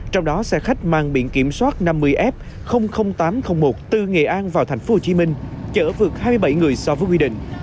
trong đó xe khách mang biển kiểm soát năm mươi f tám trăm linh một từ nghệ an vào thành phố hồ chí minh chở vượt hai mươi bảy người so với quy định